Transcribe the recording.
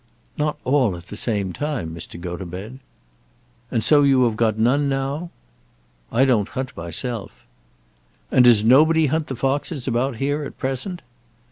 "Not all at the same time, Mr. Gotobed." "And you have got none now?" "I don't hunt myself." "And does nobody hunt the foxes about here at present?"